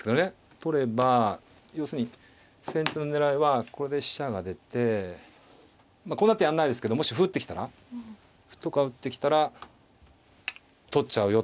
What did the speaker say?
取れば要するに先手の狙いはこれで飛車が出てこうなるとやらないですけどもし歩打ってきたら歩とか打ってきたら取っちゃうよって。